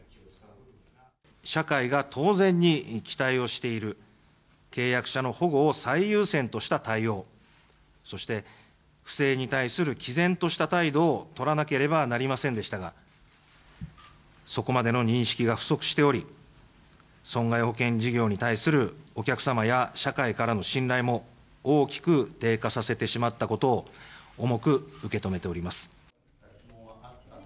社会が当然に期待をしている契約者の保護を最優先とした対応、そして不正に対するきぜんとした態度を取らなければなりませんでしたが、そこまでの認識が不足しており、損害保険事業に対するお客様や社会からの信頼も大きく低下させてしまったことを、重く受け止めております。